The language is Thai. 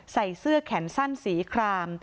ใส่เสื้อแขนสั้นสีคราม